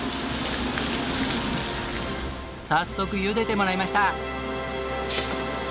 早速茹でてもらいました。